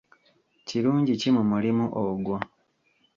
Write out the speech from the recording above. Kirungi ki mu mulimu ogwo?